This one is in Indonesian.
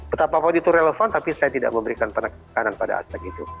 betapapun itu relevan tapi saya tidak memberikan penekanan pada aspek itu